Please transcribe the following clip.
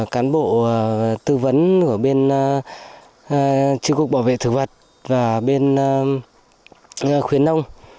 cán bộ tư vấn của bên chương trình bảo vệ thực vật và bên khuyến nông